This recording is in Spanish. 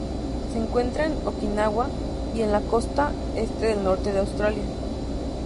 Se encuentra en Okinawa y en la costa este del norte de Australia.